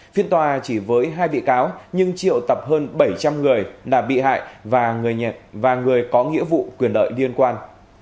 phiên tòa chỉ với hai bị cáo nhưng triệu tập hơn bảy trăm linh người đã bị hại và người có nghĩa vụ quyền đợi liên quan